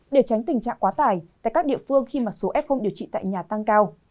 để tránh tình trạng quá tải tại các địa phương khi mà số f điều trị tại nhà tăng cao